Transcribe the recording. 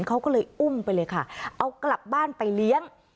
เขาก็เลยอุ้มไปเลยค่ะเอากลับบ้านไปเลี้ยง